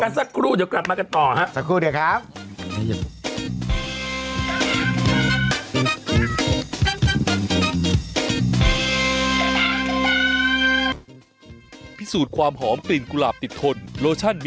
กันสักครู่เดี๋ยวกลับมากันต่อครับ